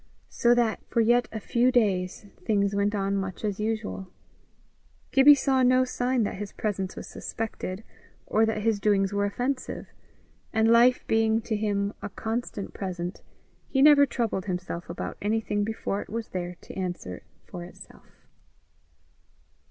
So that for yet a few days things went on much as usual; Gibbie saw no sign that his presence was suspected, or that his doings were offensive; and life being to him a constant present, he never troubled himself about anything before it was there to answer for itself.